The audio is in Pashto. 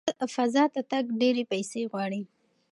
فضا ته تګ ډېرې پیسې غواړي.